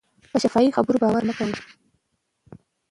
په شفاهي خبرو باور مه کوئ.